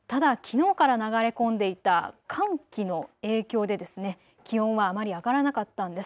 ただきのうから流れ込んでいた寒気の影響で気温はあまり上がらなかったんです。